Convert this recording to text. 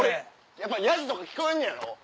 やっぱヤジとか聞こえんのやろ？